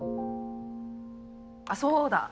あっそうだ。